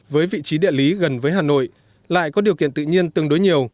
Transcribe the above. với vị trí địa lý gần với hà nội lại có điều kiện tự nhiên tương đối nhiều